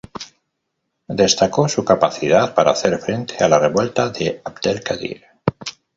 Destacó su capacidad para hacer frente a la revuelta de Abdel Kadir.